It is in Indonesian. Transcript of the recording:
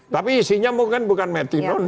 tapi isinya mungkin bukan metinon